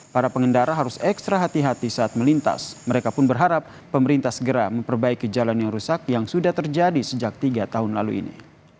para pengendara harus ekstra hati hati saat melintas mereka pun berharap pemerintah segera memperbaiki jalan yang rusak yang sudah terjadi sejak tiga tahun lalu ini